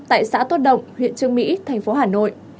tại xã tốt động huyện trương mỹ thành phố hà nội